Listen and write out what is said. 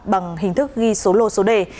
bằng hình thức ghi số lô số đề